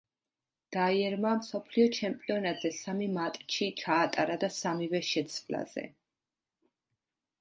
დაიერმა მსოფლიო ჩემპიონატზე სამი მატჩი ჩაატარა და სამივე შეცვლაზე.